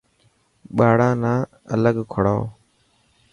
ٻاڙان نا الگ ڪوڙائو.